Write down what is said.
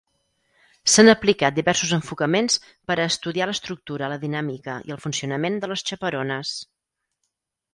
S'han aplicat diversos enfocaments per a estudiar l'estructura, la dinàmica i el funcionament de les xaperones.